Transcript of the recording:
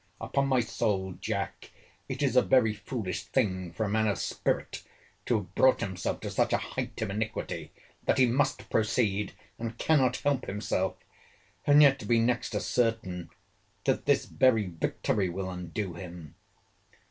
"Upon my soul, Jack, it is a very foolish thing for a man of spirit to have brought himself to such a height of iniquity, that he must proceed, and cannot help himself, and yet to be next to certain, that this very victory will undo him.